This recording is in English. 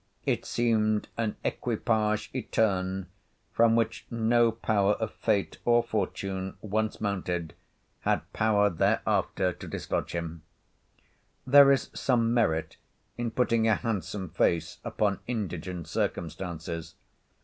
It seemed an "equipage etern" from which no power of fate or fortune, once mounted, had power thereafter to dislodge him. There is some merit in putting a handsome face upon indigent circumstances.